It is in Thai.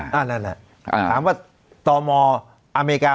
ถามว่าต่อมอเมริกา